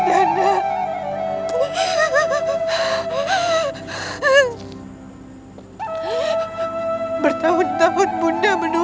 dan nyamris mencapai kesempurnaan